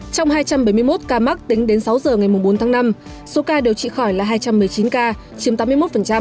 trong hai trăm bảy mươi một ca mắc tính đến sáu giờ ngày bốn tháng năm số ca điều trị khỏi là hai trăm một mươi chín ca chiếm tám mươi một